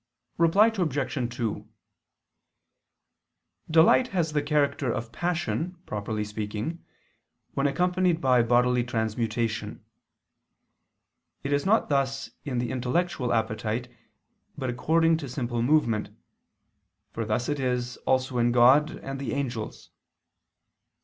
Reply Obj. 2: Delight has the character of passion, properly speaking, when accompanied by bodily transmutation. It is not thus in the intellectual appetite, but according to simple movement: for thus it is also in God and the angels.